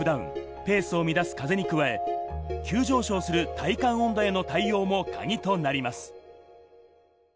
ペースを乱す風に加え、急上昇する体感温度への対応もカギとなります。